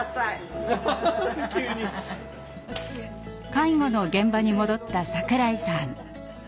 介護の現場に戻った櫻井さん。